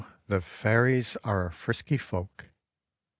the Fairies are a frisky folk.